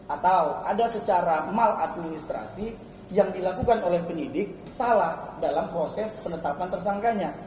atau ada secara maladministrasi yang dilakukan oleh penyidik salah dalam proses penetapan tersangkanya